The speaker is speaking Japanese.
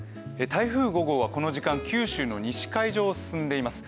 台風５号はこの時間、九州の西海上を進んでいます。